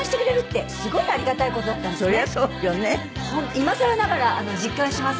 今更ながら実感します。